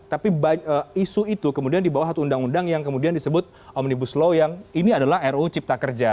tapi isu itu kemudian di bawah satu undang undang yang kemudian disebut omnibus law yang ini adalah ruu cipta kerja